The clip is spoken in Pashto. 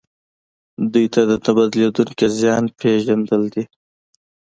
دوی ته د نه بدلیدونکي زیان پېژندل دي.